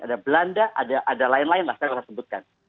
ada belanda ada lain lain lah sekarang saya sebutkan